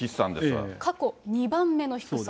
過去２番目の低さ。